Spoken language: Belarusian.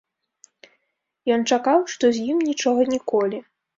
Ён чакаў, што з ім нічога ніколі.